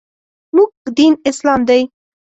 موږ دین اسلام دی .